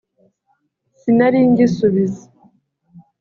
sinari ngisubiza